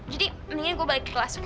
jadi mendingan gue balik ke kelas okay